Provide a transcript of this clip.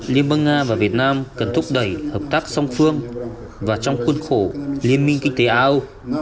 liên bang nga và việt nam cần thúc đẩy hợp tác song phương và trong khuôn khổ liên minh kinh tế á âu